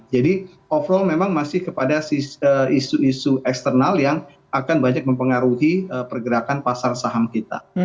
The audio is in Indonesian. jadi overall memang masih kepada isu isu eksternal yang akan banyak mempengaruhi pergerakan pasar saham kita